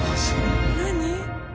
何？